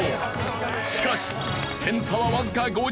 しかし点差はわずか５０点。